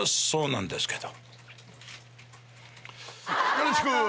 よろしく。